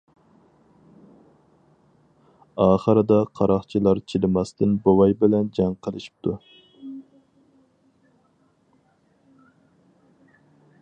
ئاخىرىدا قاراقچىلار چىدىماستىن بوۋاي بىلەن جەڭ قىلىشىپتۇ.